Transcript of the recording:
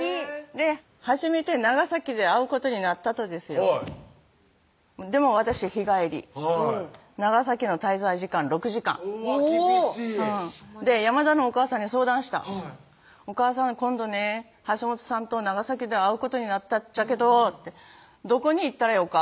初めて長崎で会うことになったとですよでも私日帰り長崎の滞在時間６時間うわ厳しい山田のおかあさんに相談した「おかあさん今度ね橋本さんと長崎で会うことになったっちゃけど」って「どこに行ったらよか？」